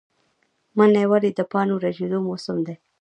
منی ولې د پاڼو ریژیدو موسم دی؟